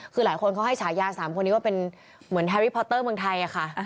คือหลายคนเขาให้ฉายา๓คนนี้ว่าเป็นเหมือนแฮรี่พอเตอร์เมืองไทยค่ะ